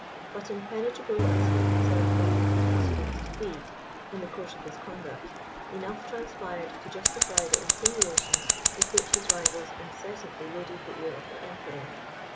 But impenetrable as he himself believed his proceedings to be, in the course of his conduct, enough transpired to justify the insinuations with which his rivals incessantly loaded the ear of the Emperor.